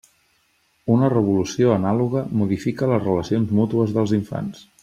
Una revolució anàloga modifica les relacions mútues dels infants.